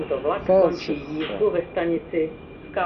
Farset.